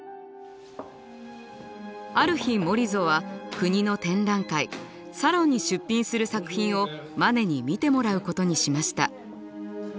ある日モリゾは国の展覧会サロンに出品する作品をマネに見てもらうことにしました。